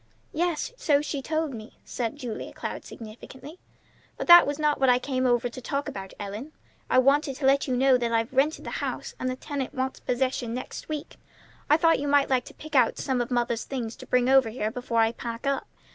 "Yes, so she told me," said Julia Cloud significantly. "But that was not what I came over to talk about, Ellen; I wanted to let you know that I've rented the house, and the tenant wants possession next week. I thought you might like to pick out some of mother's things to bring over here before I pack up.